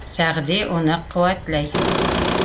Сәғди уны ҡеүәтләй: